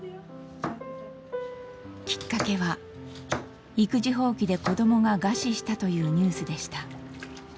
きっかけは育児放棄で子どもが餓死したというニュースでした。